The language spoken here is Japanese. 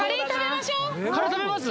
カレー食べます？